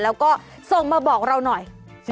แล้วก็ส่งมาบอกเราหน่อย